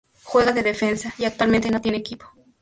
Juega de defensa y actualmente no tiene equipo.